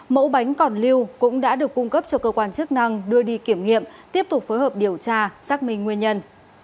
mẫu bánh còn lưu cũng đã được cung cấp cho cơ quan chức năng đưa đi kiểm nghiệm tiếp tục phối hợp điều tra xác minh nguyên nhân